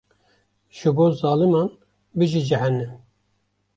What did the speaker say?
Ji bo zaliman bijî cehennem.